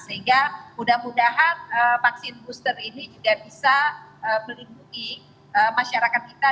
sehingga mudah mudahan vaksin booster ini juga bisa melindungi masyarakat kita